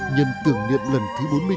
nhân tưởng niệm lần thứ bốn